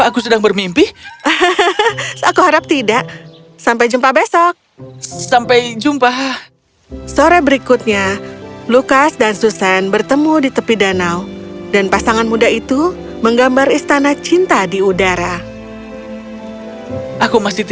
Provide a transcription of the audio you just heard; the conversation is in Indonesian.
kerajaan yang sangat jauh